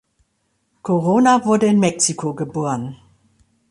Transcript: Corona wurde in Mexiko geboren.